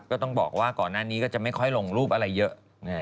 ก็ต้องบอกว่าก่อนหน้านี้ก็จะไม่ค่อยลงรูปอะไรเยอะ